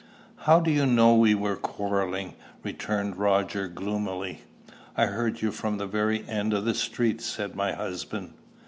"How do you know we were quarrelling?" returned Roger gloomily. "I heard you from the very end of the street," said my husband.